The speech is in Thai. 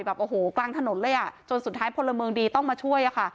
แบบโอ้โหกลางถนนเลยอ่ะจนสุดท้ายพลเมืองดีต้องมาช่วยอะค่ะ